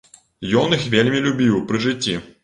Ён іх вельмі любіў пры жыцці.